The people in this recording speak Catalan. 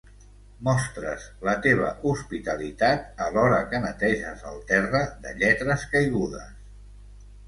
Mostres la teva hospitalitat alhora que neteges el terra de lletres caigudes.